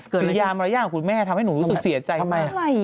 กริยามรายละยากของคุณแม่ทำให้หนูรู้สึกเสียใจมาก